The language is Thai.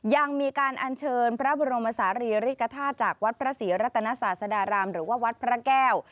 ยังมีการอัญเชิญพระบรมศาลีริกฐาตุจากวัดพระศรีรัตนศาสดารามหรือว่าวัดพระแก้ว